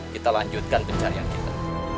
kita lanjutkan pencarian kita